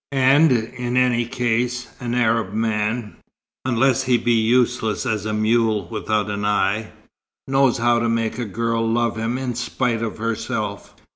"And, in any case, an Arab man, unless he be useless as a mule without an eye, knows how to make a girl love him in spite of herself.